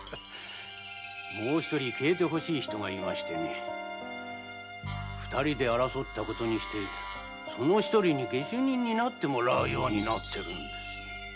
もう一人消えて欲しい人がいましてね二人で争ったことにしてその一人に下手人になってもらいます。